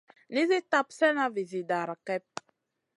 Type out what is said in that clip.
Nizi tap slèna vizi dara kep.